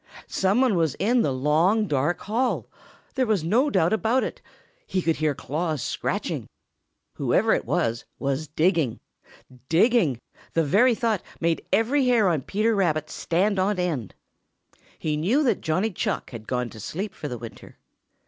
Some one was in the long, dark hall! There was no doubt about it. He could hear claws scratching. Whoever it was, was digging. Digging! The very thought made every hair on Peter Rabbit stand on end. He knew that Johnny Chuck had gone to sleep for the winter.